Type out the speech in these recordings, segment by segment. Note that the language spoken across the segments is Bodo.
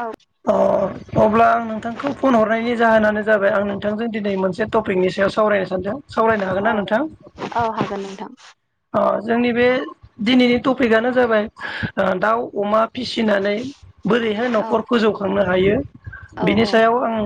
औ अ अब्ला आं नोंथांखौ फन हरनायनि जाहोनानो जाबाय आं नोंथांजों दिनै मोनसे टपिकनि सायाव सावरायनो सानदों । ओ औ हागोन नोंथां। अ जोंनि बे दिनैनि टपिकआनो जाबाय ओ दाउ अमा फिसिनानै बोरैहाय औ न'खर फोजौखांनो हायो औ बिनि सायाव आं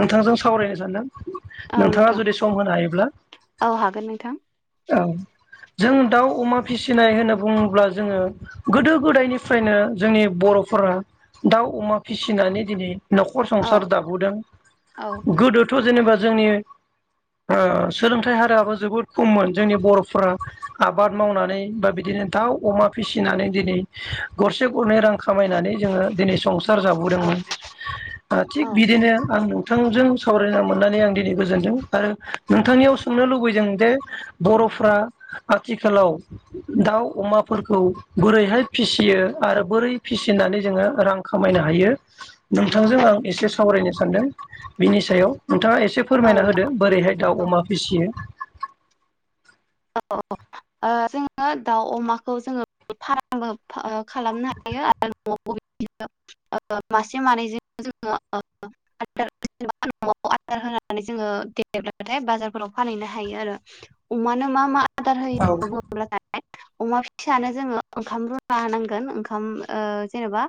नोंथांजों सावरायनो सानदों। औ नोंथाङा नोंथां जुदि सम होनो हायोब्ला औ हागोन नोंथां औ। जों दाउ अमा फिसिनाय होनना बुङोब्ला जोङो गोदो गोदायनिफ्रायनो जोंनि बर'फोरा दाउ अमा फिसिनानै दिनै न'खर औ संसार दाबोदों औ गोदोथ' जेनेबा जोंनि ओ सोलोंथाइ हाराबो जोबोद खममोन जोंनि बर'फ्रा आबाद मावनानै बा बिदिनो दाउ अमा फिसिनानै दिनै गरसे गरनै रां खामायनानै जोङो दिनै संसार जाबोदोंमोन। दा थिग औ बिदिनो आं नों नोंथांजों सावरायना मोननानै आं दिनै गोजोनदों आरो नोंथांनियाव सोंनो लुबैदों जे बर'फ्रा आथिखालाव दाउ अमाफोरखौ बोरैहाय फिसियो आरो बोरै फिसिनानै जोङो रां खामायनो हायो नोंथांजों आं एसे सावरायनो सानदों बिनि सायाव नोंथाङा एसे से फोरमायना नोंथां होदो बोरैहाय दाउ औ अमा फिसियो। औ औ ओ जोङो दाउ अमाखौ जोङो फारामबो ओ खालामनो हाथों आरो न'आवबो [unintelligible] मासे मानै जे‌ जोङो [unintelligible] आधार होना नै जोङो देरबाथाइ बाजारफोराव फानहैनो हाथों आरो अमानो मा मा आदार औ होयो [unintelligible] अमा फिसानो जोङो ओंखाम रुना होनांगोन ओंखाम ओ जेनेबा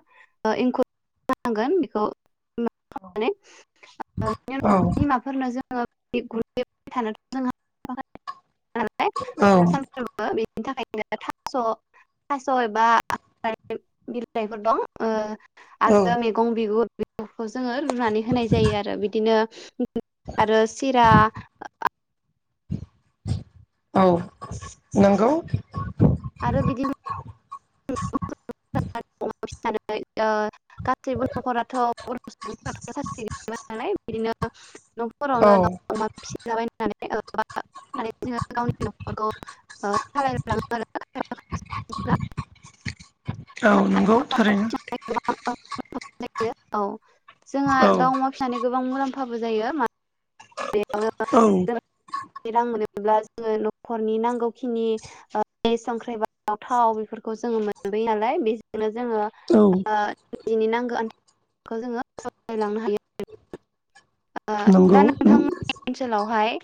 ओ एंखुर होनांगोन बेखौ औ [unintelligible] बिमाफोरनो जों [unintelligible] [unintelligible] औ बिनि थाखाइनो थास' थास' एबा [unintelligible] बिलायफोर दं ओ औ आरो मैगं बिगुर बेफोरखौ जोङो रुनानै होनाय जायो आरो बिदिनो आरो सिरा औ नंगौ। आरो बिदिनो [unintelligible] ओ गासैबो न'खरावथ' बर'सुबुं फोराथ' सारख्रि गैजोबा नालाय बिदिनो औ न'फोरावनो दाव क्या फिसिला बाइनानै [unintelligible] जोङो गावनि न'खरखौ ओ सालाय लाङो आरो [unintelligible] औ नंगौ थारैनो जोंहा । [unintelligible] औ जोंहा औ दाउ अमा फिसानि गोबां मुलाम्फाबो जायो मा औ [unintelligible] रां मोनो ब्ला जोङो न'खरनि नांगौखिनि ओ संख्रि बानलु थाव बेफोरखौ जोङो मोनबोयो नालाय बेजोंनो जोङो ओ औ इनि नांगो खौ जोङो नंगौ [unintelligible] [unintelligible] [unintelligible] हाय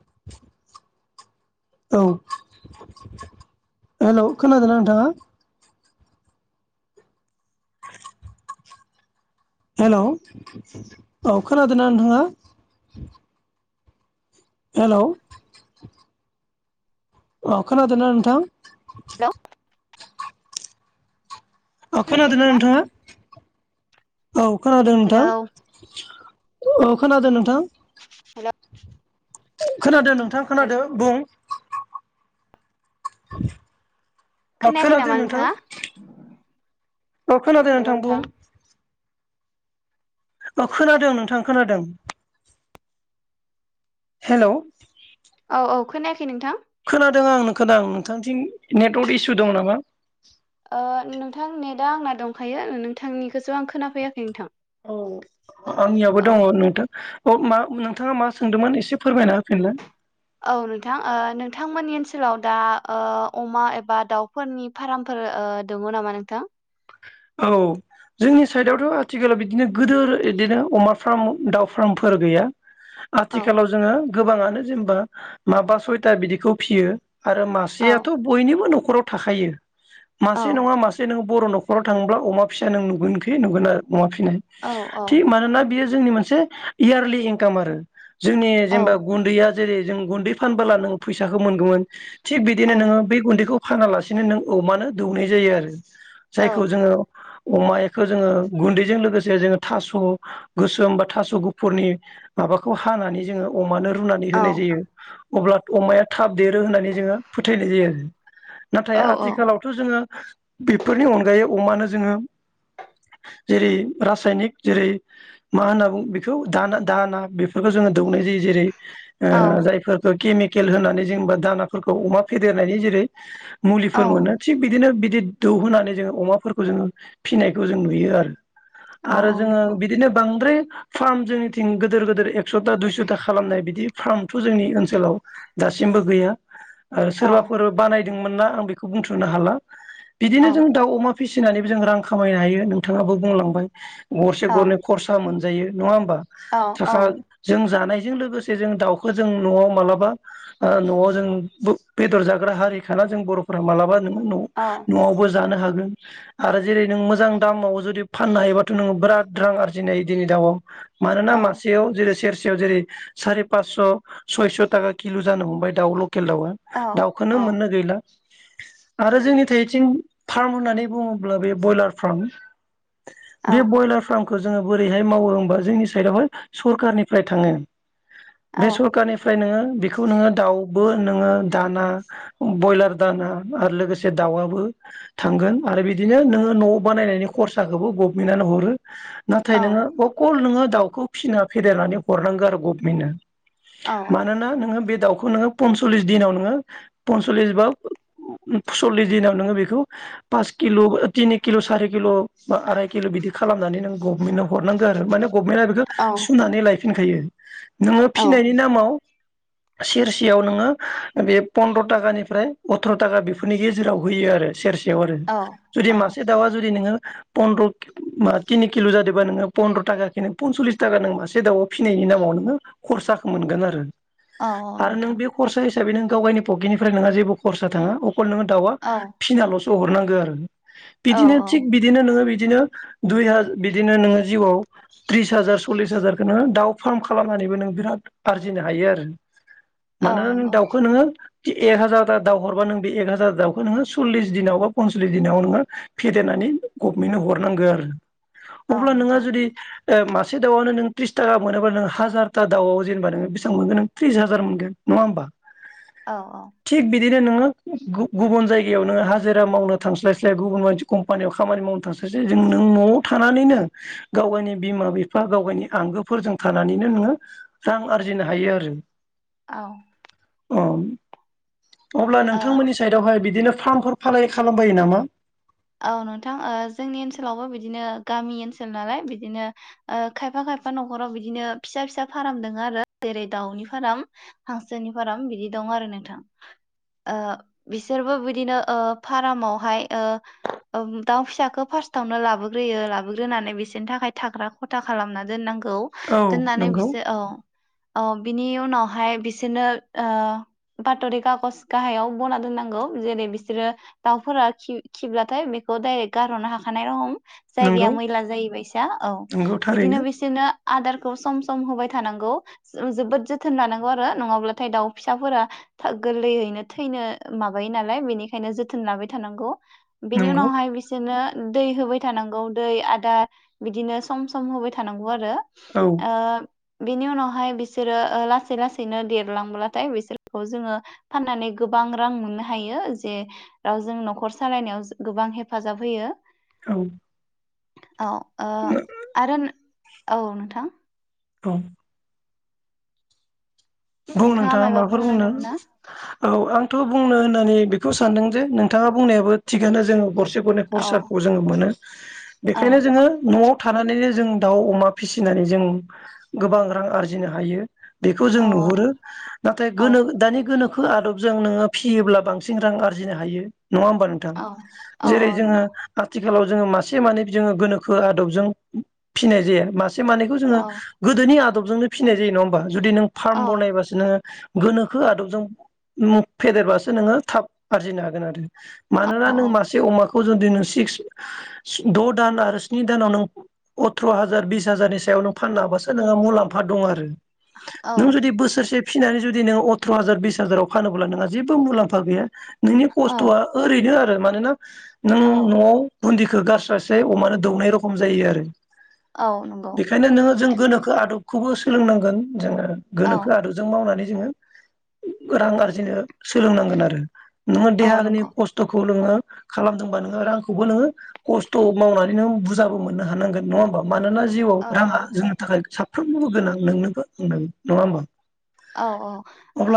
[inaudible] औ हेलौ खोनादोंना नोंथाङा? [inaudible] हेलौ औ खोनादोंना नोंथाङा? हेलौ अ खोनादोंना नोंथां? हेलौ औ खोनादोंना नोंथाङा औ खोनादों नोंथां? हेलौ औ खोनादों नोंथां? हेलौ खोनादों नोंथां खोनादों बुं। [inaudible] औ खोनायाखै खोनादों नामा नोंथां नोंथाङा औ खोनादों नोंथां बुं। औ खोनादों नोंथां खोनादों। हेलौ औ औ खोनायाखै नोंथां? खोनादों आं खोनादों नोंथांथिं नेटवक इसु दं नामा ओ नोंथां नेटआ आंना दंखायो नोंथांनिखौसो आं खोनाफैयाखै नोंथां। औ आंनियाबो औ दङ नोंथां। अ मा नोंथाङा मा सोंदोंमोन एसे फोरमायना होफिनलाय औ नोंथां ओ नोंथांमोननि ओनसोलाव दा ओ अमा एबा दाउफोरनि फार्मफोर ओ दङ नामा नोंथां? औ जोंनि साइडआवथ' आथिखालाव बिदिनो गिदोर इदिनो अमा फार्म दाउ फार्मफोर गैया। औ आथिखालाव जोङो गोबाङानो जेनेबा माबा सयथा बिदिखौ फियो। आरो औ मासेयाथ' बयनिबो न' खराव थाखायो। मासे औ नङा मासे नोंङो बर' न' खराव थांब्ला अमा फिसा नों नुगोनखि नुगोन आरो अमा फिनाय औ औ थिग मानोना बेयो जोंनि मोनसे इयारलि इंकाम आरो जोंनि औ जेनेबा गुन्दैया जेरै जों गुन्दै फानबोला नों फैसाखौ मोनगोमोन थिग औ बिदिनोङो बे गुन्दैखौ फानालासिनो नों अमानो दौनाय जायो आरो औ जायखौ जोङो अमायाखौ जोङो गुन्दैजों लोगोसे जोङो थास' गोसोम बा थास' गुफुरनि माबाखौ हानानै जोङो अमानो रुनानै औ होनाय जायो अब्ला अमाया थाब देरो होननानै जोङो फोथायनाय जायो आरो नाथाय औ आथिखालावथ' जोङो बि बेफोरनि अनगायै अमानो जोङो जेरै रासायनिक जेरै मा होनना बुङो बेखौ दा दाना बेफोरखौ जोङो दौनाय जायो जेरै औ ओ जायफोरखो केमिकेल होनानै जेनेबा दानाफोरखौ अमा फेदेरनायनि जेरै औ मुलिफोर मोनो थिग बिदिनो बि बि दौ होनानै जोङो अमाफोरखौ जोङो फिसिनायखौ जों नुयो आरो औ आरो औ जोङो नंगौ बिदिनो बांद्राय फार्म जोंनिथिं गोदोर गोदोर एकस'था दुइस'था खालामनाय बिदि फार्मथ' जोंनि ओनसोलाव दासिमबो गैया आरो औ सोरबाफोर बानाय दों मोना आं बेखौ बुंथ'नो हाला बिदिनो औ जों दाउ अमा फिसिनानैबो जों रां खामायनो हायो नोंथाङाबो बुंलांबाय गरसे औ गरनै खरसा मोन जायो नङा होमबा औ थाखा जों जानाय बे जों लोगोसे जों दाउखौ जों न'आव मालाबा ओ न'आव जों बेदर जाग्रा हारिखाना जों बर'फोरा मालाबा न औ जानो हागोन आरो जेरै नों मोजां दामाव जुदि फाननो हायोबाथ नोङो बिराद रां आरजिनो हायो दिनै दावाव मानोना औ मासेयाव जेरै सेरसे सेयाव जेरै सयस‌ ताका किल जानो हमबाय दाव लकेल खेल दावा औ औ दाउखोनो‌‌ मोननो गैला आरो जोंनि थै थिं फार्म होननानै बुङोब्ला बे ब्रयलार फ्राम बे बयलार फार्म खो‌‌ जोङो बोरैहाय मावो होनबा जोंनि साइड‌आवहाय सरखारनिफ्राय थाङो। बे सरकारनिफ्रायनो बेखौ नोङो दाउबो नोङो दाना बयलार दाना आरो लोगोसे दाउआ बो थांगोन आरो बिदिनो नोङो नआव बानायनायनि खरसाखौबो गभमेन्टआनो हरो। नाथाय नोङो अकल नोङो दाउखौ फिसिना फेेदेरनानै हरनांगौ आरो गभमेन्टनो मानोना नोङो बे दावखौ नोङो पनसलिस दिनाव नोङो पनसलिस बा उम उम सललिस दिनाव नोङो बेखौ पास किल तिनि किल सारि किल बिदि बा आराय किल बिदि खालामनानै होनांगौ मेनौ हरनांगौ आरो माने गभमेन्टआ बेखौ सुनानै लायो। फिनखायो नोङो फिसिनायनि नामाव सेरसेयाव नोङो बे पन्द्र‌ ताकानिफ्राय अथ्र थाखा बेफोरनि गेजेर जेरावहोयो आरो सेरसेयाव आरो औ जुदि मासे दाउआ जुदि नोङो पन्द्र कि मा तिनि किल जादो‌ बा नोङो पन्द्र तागाके नों पनसलिस ताका नों मासे दाआव फिनायनि नामाव नोङो खरसाखौ मोनगोन आरो। औ आरो नों नोंथां बे खरसा हिसाबै दा बे नों गाव गायनि पकेनिफ्राय नोङा जेबो खरसा थाङा अखल नोङो दाउआ औ फिसिनालसो सो हरनांगो आरो। औ बिदिनो औ थिग बिदिनो नोङो बिदि बिदिनो दुइ हाज बिदिनो नोङो जिउआव त्रिस हाजार सललिस हाजारखो नोङो दाउ फाराम खालामनानैबो नों बिराद आरजिनो हायो आरो। औ मानोना नों नंगौ दाउखो नोङो एक हाजार ता दाव हरबा नों बे एक हाजार दाउखो नोङो सललिस दिनाव बा पनसलिस दिनाव नोङो फेदेरनानै गभमेन्टनो हरनांगो आरो औ अब्ला नोंहा नोंथां जुदि ए मासे दावानो नों थ्रिस थाखा मोनोबा नों हाजारथा दाउआव जेनेबा नों बेसेबां मोनगोन नों थ्रिस हाजार मोनगोन नङा होमबा। औ औ। दिनो नोङो गुब गुबुन जायगायाव नोङो हाजिरा मावनो थांस्लायस्लाय गुबुन बायदि कम्पानियाव खामानि मावनो थांस्लायस्लाय जों नों न'आव थानानैनो गाव गायनि बिमा बिफा गाव गायनि आंगोफोरजों थानानैनो नोङो रां आरजिनो हायो आरोष औ। औ। अब्ला ओ नोंथांमोननि स बिदिनो फार्मफोर फालागि खालामबायो नामा? औ नोंथां ओ जोंनि ओनसोलावबो बिदिनो गामि ओनसोल नालाय बिदिनो ओ खायफा खायफा न'खराव बिदिनो फिसा फिसा फाराम दोङो आरो जेरै दाउनि फाराम हांसोनि फाराम बिदि दं आरो नोंथां। ओ बिसोरबो बिदिनो ओ फारामावहाय ओ ओम दाउ फिसाखौ फार्स्टावनो लाबोग्रोयो लाबोग्रोनानै बिसोरनि थाखाय थाग्रा खथा खालामना दोननांग गौ औ दोननानै नंगौ बिसो औ। औ बिनि उनावहाय बिसोरनो ओ बाथरि खागज गाहायाव बना दोननांगौ जेरै बिसोरो दाउफोरा खि खिब्ला थाय बेखौ डाइरेक्ट गारहरनो हाखानाय रहम। जायगाया नंगौ मैला जाहैबायसा औ नंगौ बिदिनो थारैनो बिसोरनो आदारखौ सम सम होबाय थानांगौ। जों जोबोद जोथोन लानांगौ आरो नङाब्लाथाय दाउ फिसाफोरा था गोरलैयैनो थैनो माबायो नालाय। बेनिखायनो जोथोन लाबाय थानांगौ। बिनि नंगौ उनावहाय बिसोरनो दै होबाय थानांगौ दै आदार बिदिनो सम सम होबाय थानांगौ आरो। औ ओ बेनि उनावहाय बिसोरो ओ लासै लासैनो देरलांब्लाथाय बिसोरखौ जोङो फाननानै गोबां रां मोननो हायो। जेे ओ जों न'खर सालायनायाव जो गोबां हेफाजाब होयो। औ। औ ओ आरो नो औ नोंथां। औ। बुं नोंथाङा मायबा माबाफोर बुंनो दंमोन ना औ आंथ बुंनो होननानै बेखौ सानदों जे नोंथाङा बुंनायाबो थिगानो जोङो गर से गरनै औ खरसाखौ जोङो मोनो। औ बेखायनो जोङो न'आव थानानैनो जों दाउ अमा फिसिनानै जों गोबां रां आरजिनो हायो। बेखौ जों औ नुहुद गो नाथाय औ गोनो ओ दानि गोनो खो आदबजों नोङो फियोब्ला बांसिन रां आरजिनो हायो। नङा होमबा नोंथां? औ औ जेरै औ जोङो नंगौ आथि थिखालाव जोङो मासे मानै जोङो गोनोखो आदबजों फिनाय जायो। मास से मानैखौ जोङो औ गोदोनि आग दबजोंनो फिनाय जायो नङा होनबा? जुदि नों फार्म औ नो गोनोखो आदबजों म फेदेरबासो नोंङो थाब आरजिनो हागोन आरो। मानोना औ नों मासे अमाखौ जुदि नों सिक्स द दान आरो स्नि दानाव नों अथ्र हाजार बिस हाजारनि सायाव नों फाननो हाबासो नोंहा मुलाम्फा दं आरो नों औ जुदि बोसोरसे फिसिनानै जुदि नोंङो अथ्र हाजार बिस हाजाराव फानोब्ला नोंहा जेबो मुलाम्फा गैया। नोंनि औ खस्थआ ओरैनो आरो ओ मानोना नों औ न'आव बुनदि बेखौ गारस्रायस्राय अमानो दौनाय रखम जायो आरो औ नंगौ बेखायनो नोंङो जों गोनोखो आदबखौबो सोलोंनांगोन जोंङो औ गोनो मावनानै जोंङो रां आरजिनो सोलोंनांगोन आरो नोंङो औ देहानि नंगौ खस्थखौ नोंङो खालामदोंबा नोंङो रांखौबो नोंङो खस्थ मावनानै नोंङो बुरजाबो मोननो हानांगोन नङा होनबा। मानोना जिउआव औ औ रांङा जोंनि थाखाय साब फ्रोमनोबो गोनां नोंनोबो गोनां नंङा होनबा। औ औ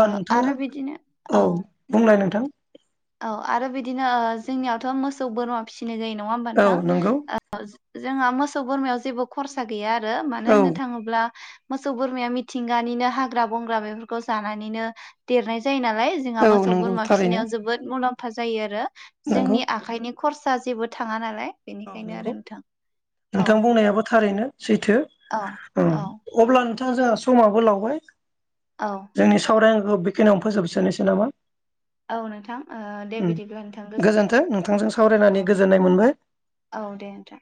ओ आरो बिदिनो औ बुंलाय नोंथां औ आरो बिदिनो जोंनियावथ मोसौ बोरमा फिसिनाय जायो नंङा होनबा औ नोंथां नंगौ जोंहा मोसौ बोरमायाव जेबो‌ खरसा गैया आ रो मानो औ होननो थांङोब्ला मोसौ बोरमाया मिथिंगानिनो हाग्रा बंग्रा बेफोरखौ जानानैनो देरनाय जायो नालाय जोंहा औ मोसौ नंगौ बोरमा थारैनो फिसिनायाव जोबोद मुलाम्फा जायो आरो नंगौ जोंनि आखाइनि खरसा जेबो थांङा नालाय औ बेनिखायनो नोंगौ आरो नोंथां औ नोंथां बुंनायाबो थारैनो सैथो। औ अ औ अब्ला नोंथांङा जोंहा समाबो लावबाय औ जोंनि सावराय औ बेखिनियावनों फोजोबसोनोसै नामा औ नोंथां ओ दे उम बिदिब्ला नोंथां गोजोन्थों नोंथांजों औ सावरायनानै दे। गोजोननाय मोनबाय औ दे नोंथां।